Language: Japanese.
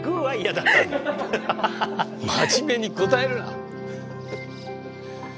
真面目に答えるな。